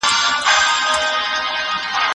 شنه بوټي د چاپېر یال ښکلا زیاتوي.